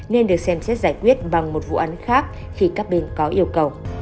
nên được xem xét giải quyết bằng một vụ án khác khi các bên có yêu cầu